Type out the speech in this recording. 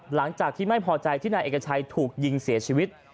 หลังจากที่ไม่พอใจที่นายเอกชัยถูกยิงเสียชีวิต